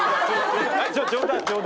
冗談？